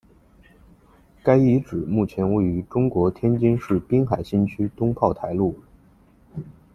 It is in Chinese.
该遗址目前位于中国天津市滨海新区东炮台路。